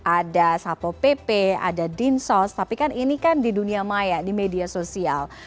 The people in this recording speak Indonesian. ada sapo pp ada dinsos tapi kan ini kan di dunia maya di media sosial